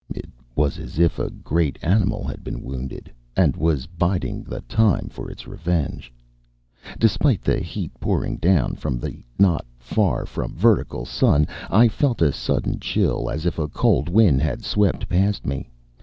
It was as if a great animal had been wounded — and was bid ing the time for its revenge. Despite the heat pouring down from the not far from vertical sun, I felt a sudden chill as if a cold wind had swept past me.